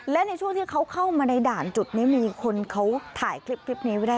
และในช่วงที่เขาเข้ามาในด่านจุดนี้มีคนเขาถ่ายคลิปนี้ไว้ได้